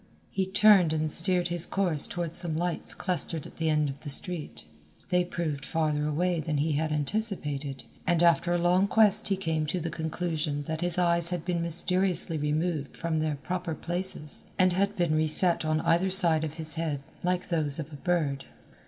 He turned and steered his course toward some lights clustered at the end of the street. They proved farther away than he had anticipated, and after a long quest he came to the conclusion that his eyes had been mysteriously removed from their proper places and had been reset on either side of his head like those of a bird.